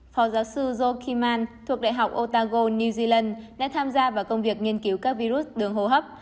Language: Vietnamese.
phó giáo sư jo kiman thuộc đại học otago new zealand đã tham gia vào công việc nghiên cứu các virus đường hô hấp